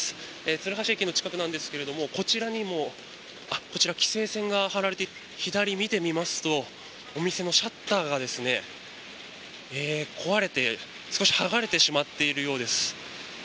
鶴橋駅の近くなんですけれどもこちらにも規制線が張られて左を見てみますとお店のシャッターが壊れて剥がれてしまっているようです。